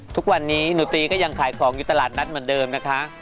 ทุกวันนี้หนูตีก็ยังขายของอยู่ตลาดนัดเหมือนเดิมนะคะ